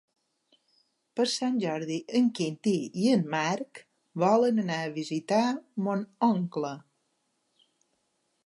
Per Sant Jordi en Quintí i en Marc volen anar a visitar mon oncle.